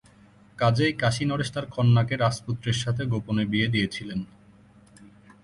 কাজেই কাশী নরেশ তার কন্যাকে রাজপুত্রের সাথে গোপনে বিয়ে দিয়েছিলেন।